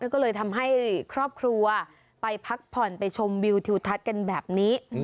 ก็เลยทำให้ครอบครัวไปพักผ่อนไปชมวิวทิวทัศน์กันแบบนี้